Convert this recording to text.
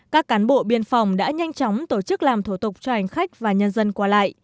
các cán bộ biên phòng đã nhanh chóng tổ chức làm thủ tục cho hành khách và nhân dân qua lại